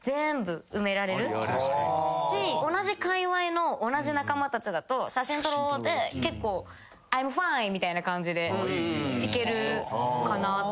同じかいわいの同じ仲間たちだと「写真撮ろう」で結構「アイムファイン」みたいな感じでいけるかなって。